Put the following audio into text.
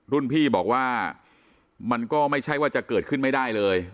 รุ่นพี่บอกว่ามันก็ไม่ใช่ว่าจะเกิดขึ้นไม่ได้เลย